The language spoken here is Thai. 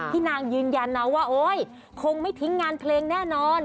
นางยืนยันนะว่าโอ๊ยคงไม่ทิ้งงานเพลงแน่นอน